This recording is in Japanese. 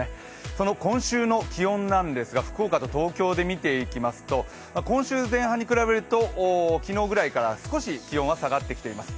その今週の気温なんですが福岡と東京で見ていきますと今週前半に比べると昨日くらいから少し気温は下がってきています。